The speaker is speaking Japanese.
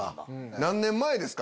何年前ですか？